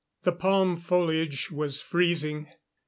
The palm foliage was freezing.